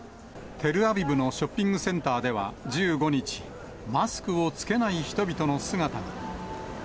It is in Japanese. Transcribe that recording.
テルアビブのショッピングセンターでは１５日、マスクを着けない人々の姿が。